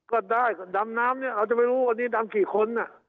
ก็ได้ดำน้ำเนี่ยเราจะไม่รู้อันนี้ดำกี่คน